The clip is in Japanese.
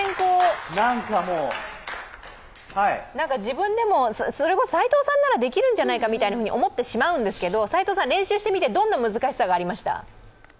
自分でも、それこそ齋藤さんならできるんじゃないかと思ってしまうんですけど齋藤さん、練習してみてどんな難しさがありました？